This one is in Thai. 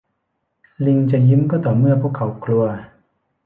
ลิงจะยิ้มก็ต่อเมื่อพวกเขากลัว